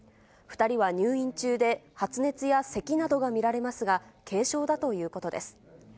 ２人は入院中で、発熱やせきなどが見られますが、軽症だということです。